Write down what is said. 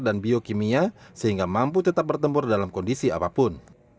dan bio kimia sehingga mampu tetap bertempur dalam kondisi apapun